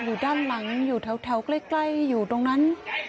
อยู่ด้านหลังอยู่แถวใกล้อยู่ตรงนั้น